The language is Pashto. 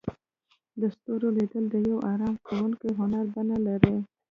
د ستورو لیدل د یو آرام کوونکي هنر بڼه لري.